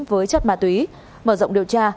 với chất ma túy mở rộng điều tra